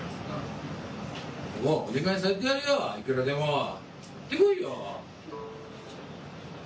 お願いされてやるよ、いくらでも。言ってこいよ。